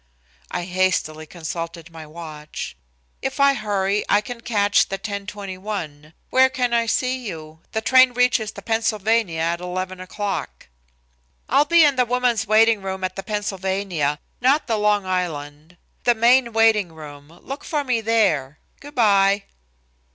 I hastily consulted my watch. "If I hurry I can catch the 10:21. Where can I see you? The train reaches the Pennsylvania at 11 o'clock." "I'll be in the woman's waiting room at the Pennsylvania, not the Long Island; the main waiting room. Look for me there. Good by."